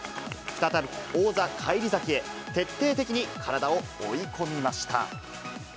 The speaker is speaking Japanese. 再び王座返り咲きへ、徹底的に体を追い込みました。